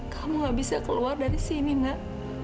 kamu gak bisa keluar dari sini mbak